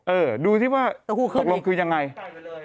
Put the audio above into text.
เออดูที่ว่าตกลงคือยังไงตะหู้ขึ้นอีกต้องกินไก่ไปเลย